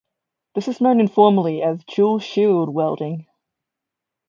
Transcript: This is known informally as "dual shield" welding.